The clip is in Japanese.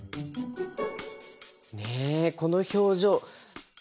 ねえこの表情！